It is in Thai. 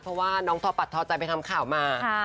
เพราะว่าน้องทอปัดทอใจไปทำข่าวมา